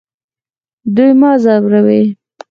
دوی مه ځوروئ